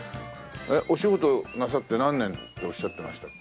お仕事なさって何年っておっしゃってましたっけ？